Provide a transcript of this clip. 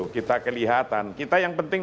kita kelihatan kita yang penting